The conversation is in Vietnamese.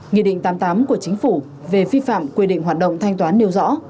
nghị định tám mươi tám của chính phủ về vi phạm quy định hoạt động thanh toán nêu rõ